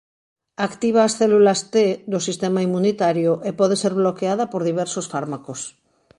Activa as células T do sistema inmunitario e pode ser bloqueada por diversos fármacos.